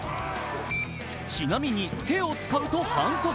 ちなみに手を使うと反則。